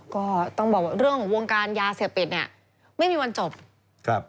อ๋อก็ต้องบอกว่าเรื่องของวงการยาเสียเป็ดนี่ไม่มีวันจบ